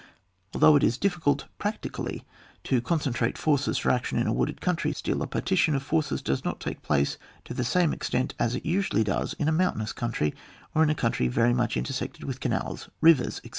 Although it is difficult prac tically to concentrate forces for action in a wooded country, still a partition of forces does not take place to the same extent as it usually does in a mountainous country, or in a country very much inter sected with canals, rivers, &c.